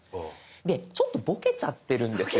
でちょっとボケちゃってるんですよ。